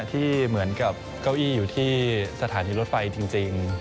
ที่เหมือนกับเก้าอี้อยู่ที่สถานีรถไฟจริง